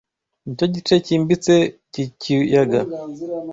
Nicyo gice cyimbitse cyikiyaga.